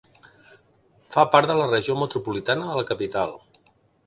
Fa part de la regió metropolitana de la capital.